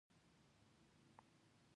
ډیر بحث مه ورسره کوه په بحث نه ارزي